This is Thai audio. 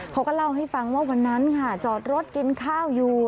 เขาก็เล่าให้ฟังว่าวันนั้นค่ะจอดรถกินข้าวอยู่